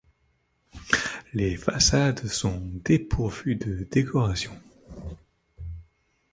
Les façades sont dépourvues de décoration.